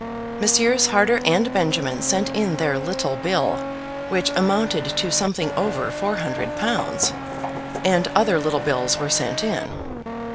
Messrs. Harter and Benjamin sent in their little bill, which amounted to something over £400, and other little bills were sent in.